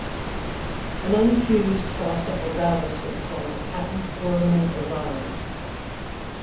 An unfused fossa ovalis is called a patent foramen ovale.